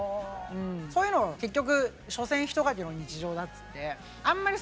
そういうの結局「所詮ひとかけの日常」だっつってあんまり